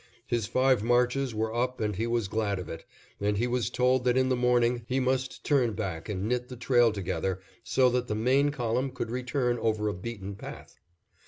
His five marches were up and he was glad of it, and he was told that in the morning he must turn back and knit the trail together, so that the main column could return over a beaten path.